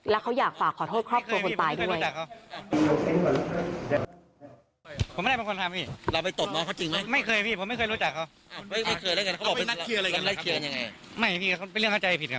แล้วเขาอยากฝากขอโทษครอบครัวคนตายด้วย